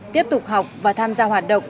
tiếp tục học và tham gia hoạt động